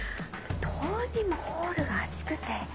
どうにもホールが暑くて。